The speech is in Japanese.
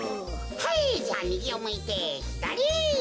はいじゃあみぎをむいてひだり。